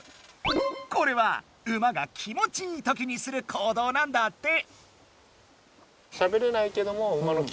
これは馬がきもちいいときにする行どうなんだって。